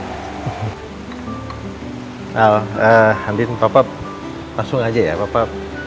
nah andin papa langsung aja ya papa